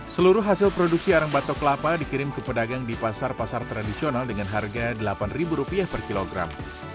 seluruh hasil produksi arang batok kelapa dikirim ke pedagang di pasar pasar tradisional dengan harga rp delapan per kilogram